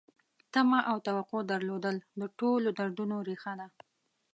تمه او توقع درلودل د ټولو دردونو ریښه ده.